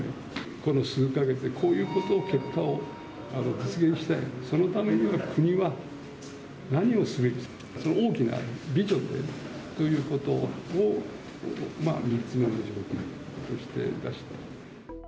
この数か月で、こういうことを、結果を実現したい、そのためには国は何をすべきか、その大きなビジョン、こういうことを３つ目の条件として出した。